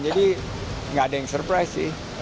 jadi nggak ada yang surprise sih